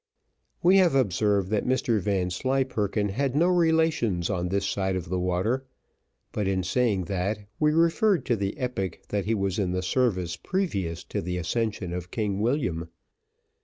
We have observed that Mr Vanslyperken had no relations on this side of the water; but in saying that, we referred to the epoch that he was in the service previous to the accession of King William.